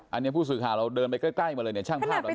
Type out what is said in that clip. อันนี้ผู้สื่อข่าวเราเดินไปใกล้มาเลยเนี่ยช่างภาพเราเห็น